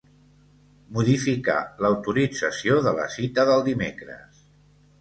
Modificar l'autorització de la cita del dimecres.